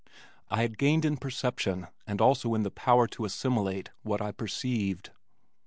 I had gained in perception and also in the power to assimilate what I perceived.